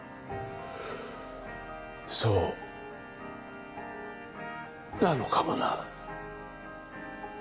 そうなのかもな。